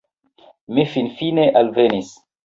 Mi finfine alvenis